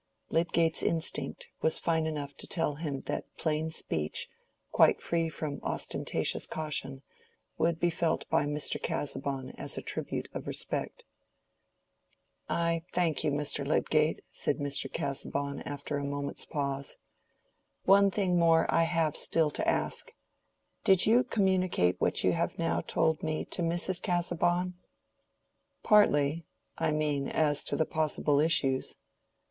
Lydgate's instinct was fine enough to tell him that plain speech, quite free from ostentatious caution, would be felt by Mr. Casaubon as a tribute of respect. "I thank you, Mr. Lydgate," said Mr. Casaubon, after a moment's pause. "One thing more I have still to ask: did you communicate what you have now told me to Mrs. Casaubon?" "Partly—I mean, as to the possible issues."